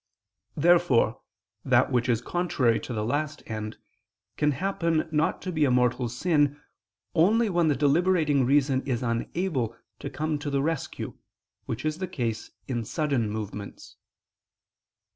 Therefore that which is contrary to the last end can happen not to be a mortal sin, only when the deliberating reason is unable to come to the rescue, which is the case in sudden movements.